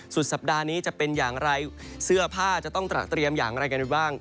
สุดสัปดาห์นี้จะเป็นอย่างไรเสื้อผ้าจะต้องตระเตรียมอย่างไรกันบ้าง